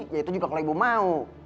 yaitu juga kalau ibu mau